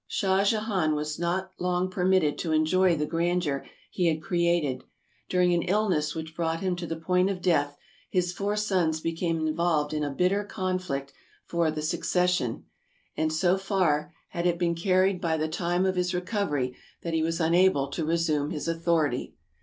Shah Jehan was not long permitted to enjoy the grandeur he had created. During an illness which brought him to the point of death, his four sons became involved in a bitter conflict for the succession ; and so far had it been carried by 310 TRAVELERS AND EXPLORERS the time of his recovery that he was unable to resume his authority.